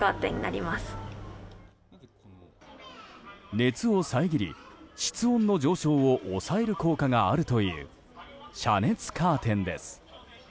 熱を遮り、室温の上昇を抑える効果があるという遮熱カーテンです。